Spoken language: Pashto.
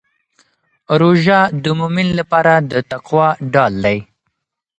روژه د مؤمن لپاره د تقوا ډال دی.